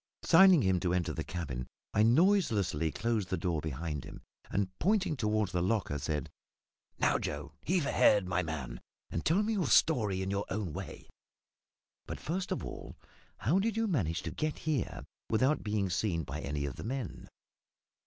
Signing to him to enter the cabin, I noiselessly closed the door behind him, and, pointing toward the locker, said "Now, Joe, heave ahead, my man, and tell me your story in your own way. But, first of all, how did you manage to get here without being seen by any of the men?"